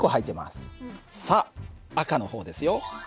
さあ赤の方ですよ。